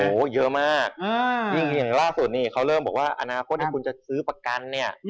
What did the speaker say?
โอ้โหเยอะมากยิ่งอย่างล่าสุดนี่เขาเริ่มบอกว่าอนาคตที่คุณจะซื้อประกันเนี่ย